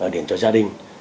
điền cho gia đình